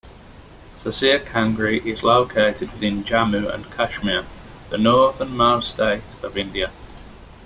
Sasir Kangri is located within Jammu and Kashmir, the northernmost state of India.